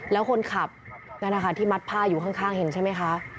แล้วคนขับนั่นนะคะที่มัดผ้าอยู่ข้างเห็นใช่ไหมคะ